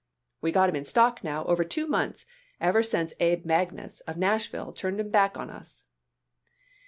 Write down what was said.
We got 'em in stock now over two months, ever since Abe Magnus, of Nashville, turned 'em back on us."